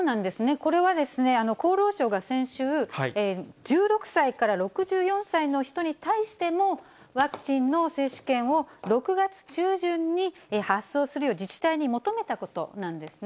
これは厚労省が先週、１６歳から６４歳の人に対しても、ワクチンの接種券を、６月中旬に発送するよう自治体に求めたことなんですね。